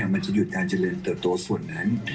มันจะหยุดการเจริญเติบโตส่วนนั้น